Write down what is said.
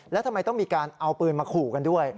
แล้วทำไมต้องมีการเอาปืนมาขู่กันด้วย